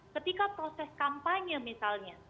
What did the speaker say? ketika proses kampanye misalnya